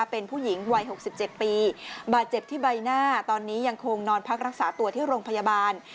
เป็นผู้หญิงวัย๖๗ปีบาดเจ็บที่ใบหน้าตอนนี้ยังคงนอนพักรักษาตัวที่โรงพยาบาล